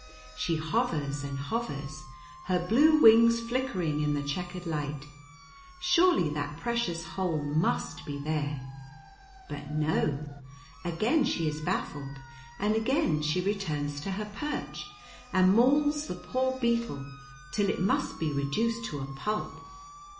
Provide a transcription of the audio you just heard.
She hovers and hovers, her blue wings flickering in the checkered light; surely that precious hole must be there; but no, again she is baffled, and again she returns to her perch, and mauls the poor beetle till it must be reduced to a pulp.